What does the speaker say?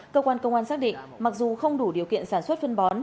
cơ quan công an xác định mặc dù không đủ điều kiện sản xuất phân bón